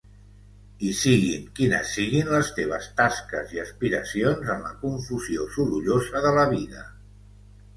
I siguin quines siguin les teves tasques i aspiracions, en la confusió sorollosa de la vida